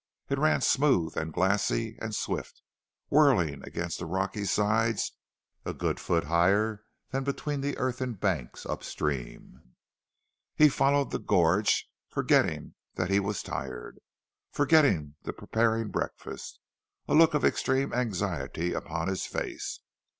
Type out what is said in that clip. It ran smooth and glassy and swift, whirling against the rocky sides a good foot higher than between the earthen banks upstream. He followed the gorge, forgetting that he was tired, forgetting the preparing breakfast, a look of extreme anxiety upon his face.